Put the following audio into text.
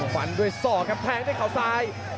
ฝันด้วยซ่อครับแทงด้วยข่าวซ้าย